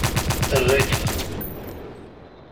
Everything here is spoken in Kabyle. Err akka.